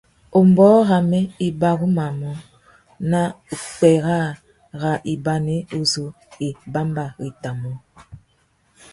Umbōh râmê i barumanú nà upwê râā râ ibanê uzu i bambarétamú.